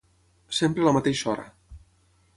Sempre a la mateixa hora.